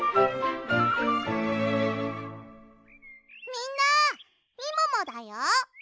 みんなみももだよ。